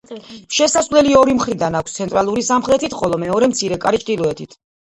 შესასვლელი ორი მხრიდან აქვს; ცენტრალური სამხრეთით, ხოლო მეორე, მცირე კარი ჩრდილოეთით.